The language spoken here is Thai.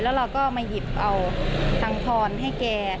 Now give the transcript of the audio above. แล้วเราก็มาหยิบเอาตังพรให้แก